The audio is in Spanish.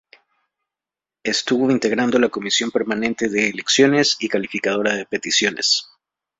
Estuvo integrando la Comisión permanente de Elecciones y Calificadora de Peticiones.